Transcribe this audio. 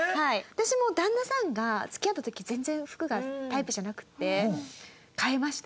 私も旦那さんが付き合った時全然服がタイプじゃなくて変えました。